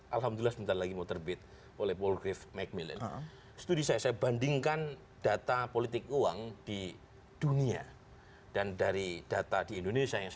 alhamdulillah sebentar lagi mau terbit oleh paul griffith macmillan studi saya bandingkan data